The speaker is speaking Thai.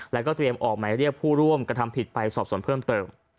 แล้วก็เตรียมออกหมายเรียกผู้ร่วมกระทำผิดไปสอบส่วนเพิ่มเติม